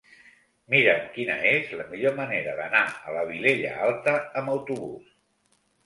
Mira'm quina és la millor manera d'anar a la Vilella Alta amb autobús.